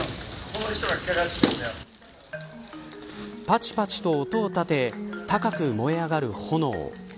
パチパチと音を立て高く燃え上がる炎。